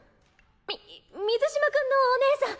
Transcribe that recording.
みっ水嶋君のお姉さん。